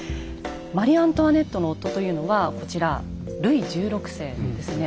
マリ・アントワネットの夫というのはこちらルイ１６世ですね。